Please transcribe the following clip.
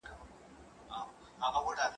که وخت وي، سبزیجات تياروم،